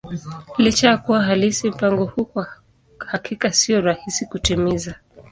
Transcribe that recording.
Licha ya kuwa halisi, mpango huu kwa hakika sio rahisi kutimiza.